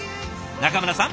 中村さん